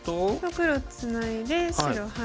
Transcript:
黒ツナいで白ハネて。